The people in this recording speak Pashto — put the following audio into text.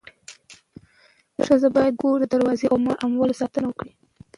ښځه باید د کور د دروازې او اموالو ساتنه وکړي.